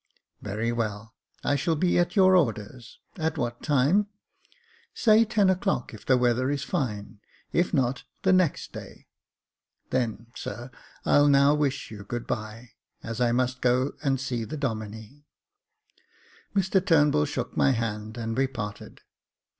Very well, I shall be at your orders — at what time ?" "Say ten o'clock, if the weather is line; if not, the next day." " Then, sir, I'll now wish you good bye, as I must go and see the Domine." Mr Turnbull shook my hand, and we parted.